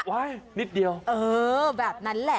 นิดเดียวเออแบบนั้นแหละ